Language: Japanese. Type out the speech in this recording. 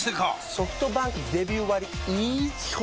ソフトバンクデビュー割イズ基本